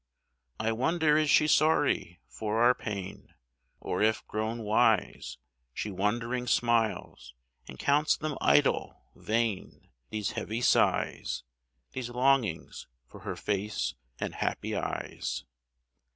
I wonder is she sorry for our pain, Or if, grown wise, She wondering smiles, and counts them idle, vain, These heavy sighs, These longings for her face and happy eyes.